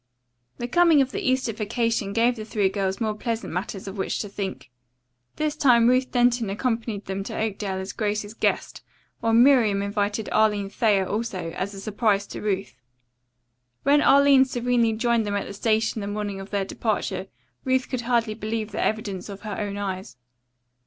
The coming of the Easter vacation gave the three girls more pleasant matters of which to think. This time Ruth Denton accompanied them to Oakdale as Grace's guest, while Miriam invited Arline Thayer also, as a surprise to Ruth. When Arline serenely joined them at the station the morning of their departure, Ruth could hardly believe the evidence of her own eyes.